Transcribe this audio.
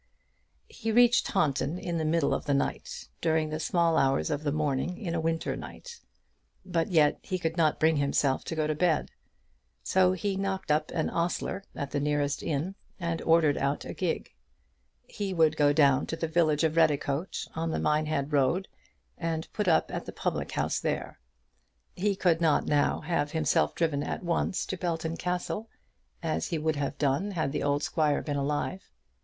He reached Taunton in the middle of the night, during the small hours of the morning in a winter night; but yet he could not bring himself to go to bed. So he knocked up an ostler at the nearest inn, and ordered out a gig. He would go down to the village of Redicote, on the Minehead road, and put up at the public house there. He could not now have himself driven at once to Belton Castle, as he would have done had the old squire been alive.